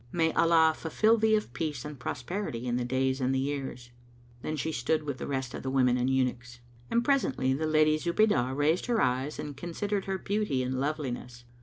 May Allah fulfil thee of peace and prosperity in the days and the years!" [FN#230] Then she stood with the rest of the women and eunuchs, and presently the Lady Zubaydah raised her eyes and considered her beauty and loveliness.